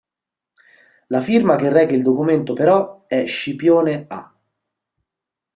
La firma che reca il documento, però, è 'Scipione A'.